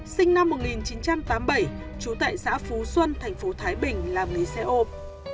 sinh năm một nghìn chín trăm tám mươi bảy trú tại xã phú xuân thành phố thái bình làm lý xe ôm